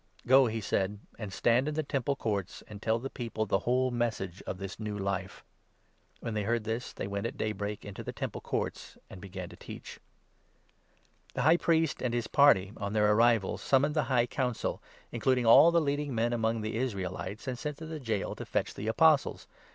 "Go," he said, "and stand in the Temple Courts, and tell 20 the people the whole Message of this new Life." When they heard this, they went at daybreak into the Temple 21 Courts, and began to teach. The High Priest and his party, on their arrival, summoned the High Council, including all the leading men among the Israelites, and sent to the gaol to fetch the Apostles.